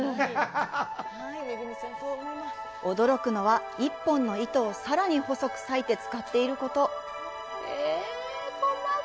驚くのは、１本の糸をさらに細く裂いて使っていること。